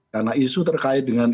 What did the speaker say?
karena isu terkait dengan